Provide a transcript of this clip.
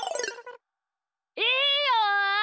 いいよ！